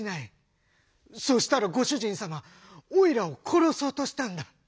そうしたらごしゅじんさまおいらをころそうとしたんだ。